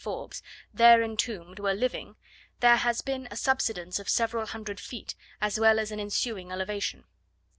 Forbes) there entombed were living, there has been a subsidence of several hundred feet, as well as an ensuing elevation.